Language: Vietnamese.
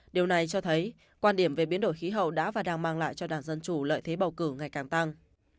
điều này cho thấy quan điểm về biến đổi khí hậu đã và đang mang lại cho đảng dân chủ lợi thế bầu cử ngày càng tăng